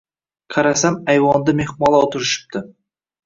Qarasam, ayvonda mehmonlar o‘tirishibdi.